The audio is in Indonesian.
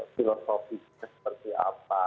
filosofisnya seperti apa